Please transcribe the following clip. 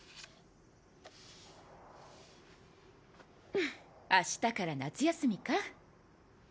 ふぅ明日から夏休みか。